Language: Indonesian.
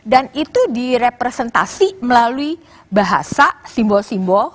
dan itu direpresentasi melalui bahasa simbol simbol